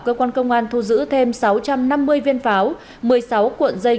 cơ quan công an thu giữ thêm sáu trăm năm mươi viên pháo một mươi sáu cuộn dây